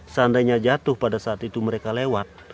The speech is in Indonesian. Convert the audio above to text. seandainya jatuh pada saat itu mereka lewat